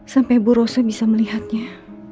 sampai bu rosa bisa melihatnya